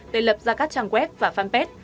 để lập ra các trang web và fanpage